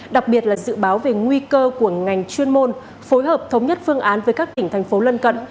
đặc biệt là dự báo về nguy cơ của ngành chuyên môn phối hợp thống nhất phương án với các tỉnh thành phố lân cận